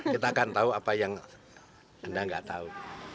kita akan tahu apa yang anda nggak tahu